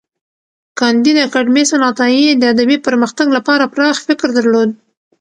کانديد اکاډميسن عطايي د ادبي پرمختګ لپاره پراخ فکر درلود.